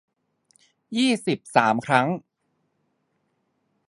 ยี่สิบสาม ครั้ง